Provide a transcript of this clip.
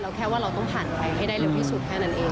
แค่ว่าเราต้องผ่านไปให้ได้เร็วที่สุดแค่นั้นเอง